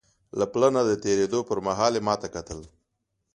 له پله نه د تېرېدو پر مهال یې ما ته کتل.